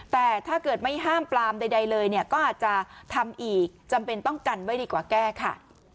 แต่ถ้าเกิดไม่ห้ามปลามใดเลยเนี่ยก็อาจจะทำอีกจำเป็นต้องกันไว้ดีกว่าแก้ค่ะ